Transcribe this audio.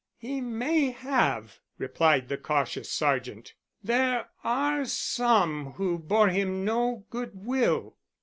"He may have," replied the cautious sergeant. "There are some who bore him no good will."